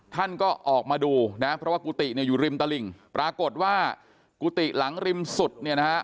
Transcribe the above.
ท่านก็ออกมาดูนะเพราะว่ากุฏิเนี่ยอยู่ริมตลิ่งปรากฏว่ากุฏิหลังริมสุดเนี่ยนะฮะ